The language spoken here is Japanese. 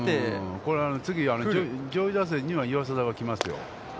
これは次、上位打線には岩貞が来ますよ。